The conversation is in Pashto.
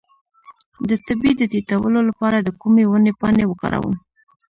د تبې د ټیټولو لپاره د کومې ونې پاڼې وکاروم؟